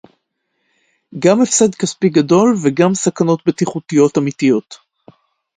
גם הפסד כספי גדול וגם סכנות בטיחותיות אמיתיות